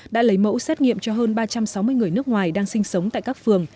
đã lấy mẫu xét nghiệm cho hơn ba trăm sáu mươi người nước ngoài đang sinh sống tại các phường